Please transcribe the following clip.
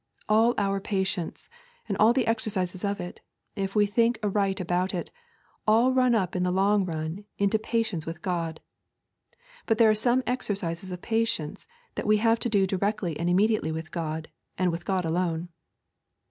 All our patience, and all the exercises of it, if we think aright about it, all run up in the long run into patience with God. But there are some exercises of patience that have to do directly and immediately with God and with God alone.